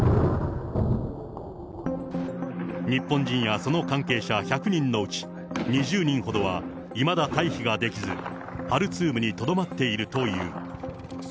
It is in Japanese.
日本人やその関係者１００人のうち２０人ほどは、いまだ退避ができず、ハルツームにとどまっているという。